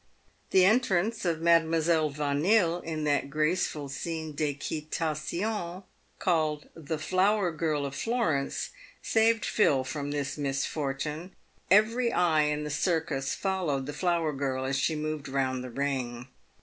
The entrance of Madlle. Yanille, in that graceful scene d'equitation called the " Mower Girl of Florence," saved Phil from this misfortune. Every eye in the circus followed the flower girl as she moved round the ring.